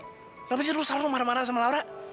kenapa sih rus selalu marah marah sama laura